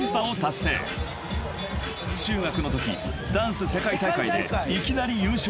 ［中学のときダンス世界大会でいきなり優勝］